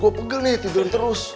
gua pegel nih tidurin terus